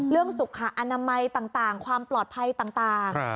สุขอนามัยต่างความปลอดภัยต่าง